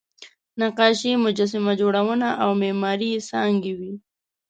نقاشي، مجسمه جوړونه او معماري یې څانګې وې.